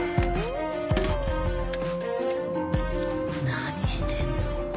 何してんの？